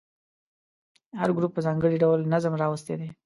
هر ګروپ په ځانګړي ډول نظم راوستی دی.